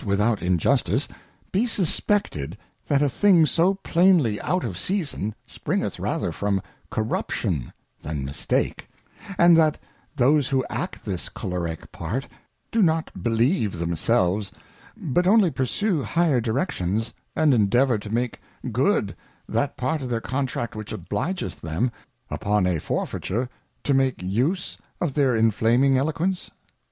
without Injustice be suspected, that a thing so plainly out_of^_ Season, springeth rather from Corruption than Mistake; and that those who act this Cholerick part, do not believe themselves, but only pursue higher Directions, and endeavour to make good that part of their Contract which obligeth them, upon a For feiture, to make use of their inflaming Eloquence